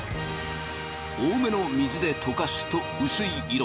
多めの水で溶かすとうすい色。